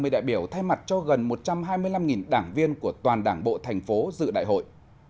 ba mươi đại biểu thay mặt cho gần một trăm hai mươi năm đảng viên của toàn đảng bộ thành phố dự đại hội